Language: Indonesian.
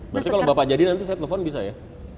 berarti kalau bapak jadi nanti saya telepon bisa ya